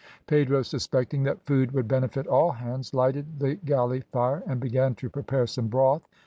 Pedro suspecting that food would benefit all hands, lighted the galley fire, and began to prepare some broth.